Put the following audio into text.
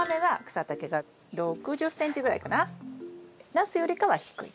ナスよりかは低い。